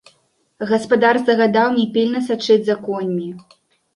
Гаспадар загадаў мне пільна сачыць за коньмі.